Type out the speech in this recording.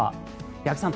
八木さん